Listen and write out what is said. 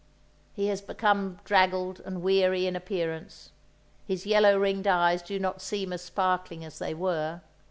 He has become draggled and weary in appearance. His yellow ringed eyes do not seem as sparkling as they were.